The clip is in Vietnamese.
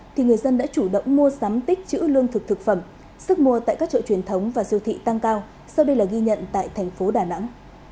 thì người dân đã chủ động mua sắm tích chữ lương thực thực phẩm sức mua tại các chợ truyền thống và siêu thị tăng cao sau đây là ghi nhận tại thành phố đà nẵng